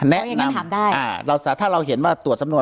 แนะนำถ้าเราเห็นว่าตรวจสำนวน